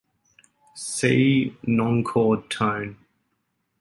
See nonchord tone.